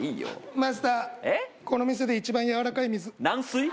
マスターこの店で一番やわらかい水軟水？